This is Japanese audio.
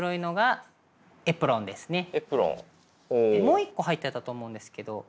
もう一個入ってたと思うんですけど。